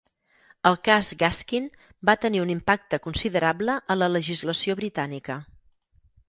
El cas Gaskin va tenir un impacte considerable a la legislació britànica.